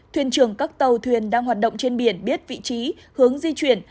thuyền trưởng các tàu thuyền đang hoạt động trên biển biết vị trí hướng di chuyển